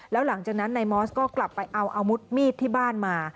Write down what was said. แล้วหลังจากนั้นนายมอสก็กลับไปเอาอาวุธมีดที่บ้านมา